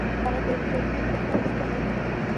هغې کرکټرونه د تلپاتې کیسې بڼه ورکړه.